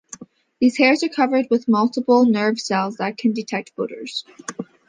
These hairs are covered with multiple nerve cells that can detect odors.